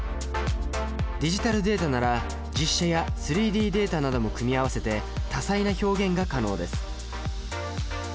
ディジタルデータなら実写や３Ｄデータなども組み合わせて多彩な表現が可能です。